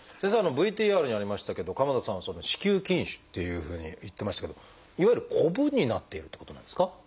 ＶＴＲにありましたけど鎌田さんは「子宮筋腫」っていうふうに言ってましたけどいわゆるコブになっているってことなんですか？